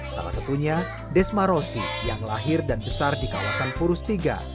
salah satunya desma rosi yang lahir dan besar di kawasan purus tiga